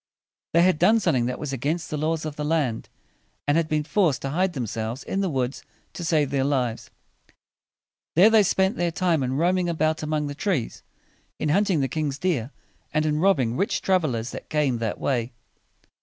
They had done something that was against the laws of the land, and had been forced to hide themselves in the woods to save their lives. There they spent their time in roaming about among the trees, in hunting the king's deer, and in robbing rich trav el ers that came that way.